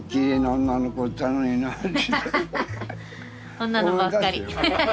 そんなのばっかり。